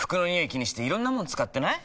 気にしていろんなもの使ってない？